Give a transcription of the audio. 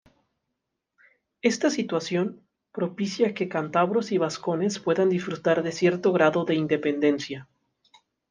Esta situación propicia que cántabros y vascones puedan disfrutar de cierto grado de independencia.